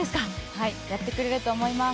はい、やってくれると思います。